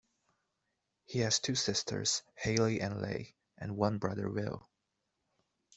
He has two sisters, Hailey and Leigh, and one brother, Will.